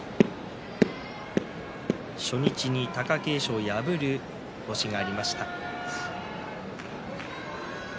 初日に貴景勝を破る星がありました。